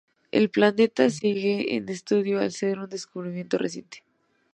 El planeta sigue en estudio al ser un descubrimiento reciente.